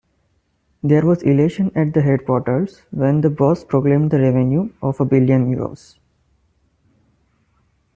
There was elation at the headquarters when the boss proclaimed the revenue of a billion euros.